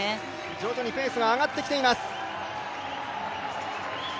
徐々にペースが上がってきています。